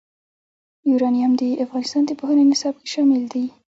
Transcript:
یورانیم د افغانستان د پوهنې نصاب کې شامل دي.